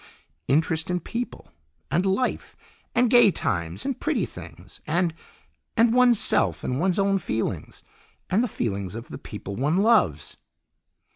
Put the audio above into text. "Interest in people, and life, and gay times, and pretty things, and and one's self and one's own feelings. And the feelings of the people one loves."